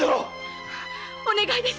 お願いです